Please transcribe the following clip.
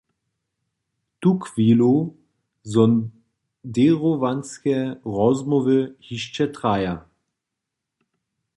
Tuchwilu sonděrowanske rozmołwy hišće traja.